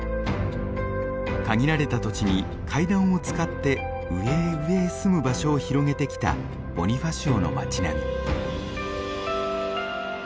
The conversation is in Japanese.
限られた土地に階段を使って上へ上へ住む場所を広げてきたボニファシオの町並み。